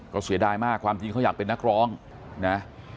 ก็เสียดายมากความจริงเขาอยากเป็นนักร้องนะ